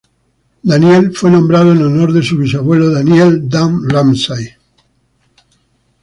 Daniel fue nombrado en honor a su bisabuelo Daniel "Dan" Ramsay.